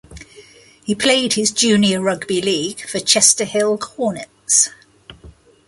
He played his junior rugby league for Chester Hill Hornets.